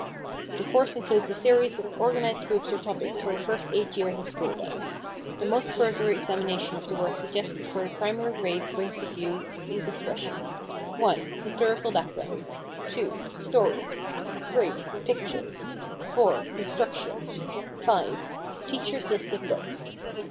The course includes a series of organized groups of topics for the first eight years of school life. The most cursory examination of the work suggested for the primary grades brings to view these expressions: (1) "Historical backgrounds, (2) Stories, (3) Pictures, (4) Construction, (5) Teacher's list of books."